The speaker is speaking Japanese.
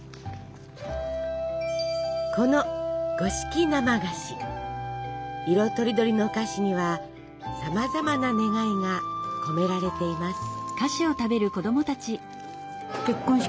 この色とりどりの菓子にはさまざまな願いが込められています。